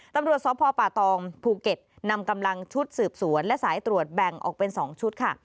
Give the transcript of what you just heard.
ตำรวจสพป่าตองภูเก็ตนำกำลังชุดสืบสวนและสายตรวจแบ่งออกเป็น๒ชุดค่ะ